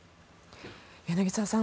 柳澤さん